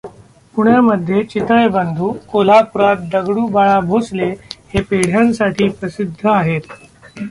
पुण्यामधे चितळे बंधू, कोल्हापुरात दगडू बाळा भोसले हे पेढ्यांसाठी प्रसिद्ध आहेत.